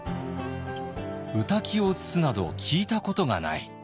「御嶽を移すなど聞いたことがない」。